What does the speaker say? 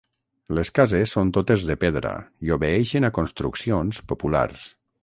Les cases són totes de pedra i obeeixen a construccions populars.